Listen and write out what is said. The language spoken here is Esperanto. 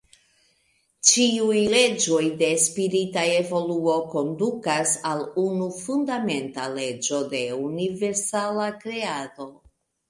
Ĉiuj leĝoj de spirita evoluo kondukas al unu fundamenta leĝo de universala kreado.